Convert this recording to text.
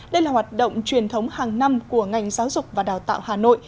đây là hoạt động truyền thống hàng năm của ngành giáo dục và đào tạo hà nội